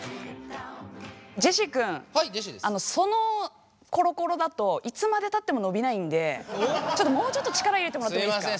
ジェシー君そのコロコロだといつまでたっても伸びないんでもうちょっと力入れてもらってもいいですか？